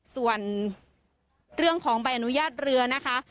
ส่วนเรื่องของใบอนุญาตเรือนะคะ